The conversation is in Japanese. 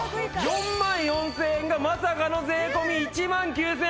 ４万４０００円がまさかの税込１万９８００円。